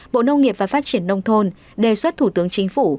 bộ nông nghiệp và phát triển nông thôn đề xuất thủ tướng chính phủ